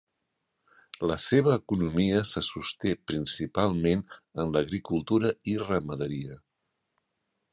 La seva economia se sosté principalment en l'agricultura i ramaderia.